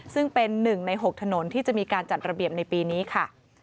ซึ่งเป็น๑ใน๖ถนนที่จะมีการจัดระเบียบในปีนี้ค่ะ